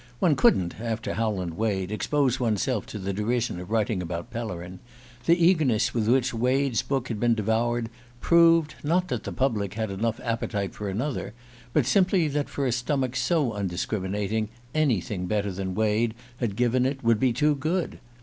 One couldn't, _after _Howland Wade, expose one's self to the derision of writing about Pellerin: the eagerness with which Wade's book had been devoured proved, not that the public had enough appetite for another, but simply that, for a stomach so undiscriminating, anything better than Wade had given it would be too good.